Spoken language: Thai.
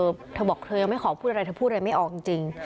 จะไม่ขอพูดอะไรถ้าพูดอะไรไม่ออกจริง